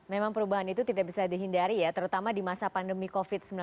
memang perubahan itu tidak bisa dihindari ya terutama di masa pandemi covid sembilan belas